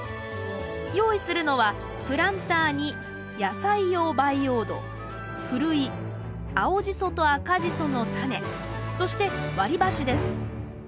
用意するのはプランターに野菜用培養土ふるい青ジソと赤ジソのタネそして割り箸です